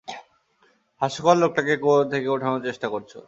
হাস্যকর লোকটাকে কুয়ো থেকে উঠানোর চেষ্টা করছো।